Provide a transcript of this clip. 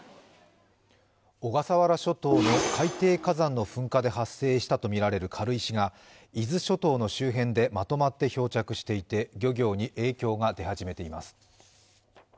小笠原諸島の海底火山の噴火で発生したとみられる軽石が伊豆諸島の周辺でまとまって漂着していて漁業に影響が出始めています。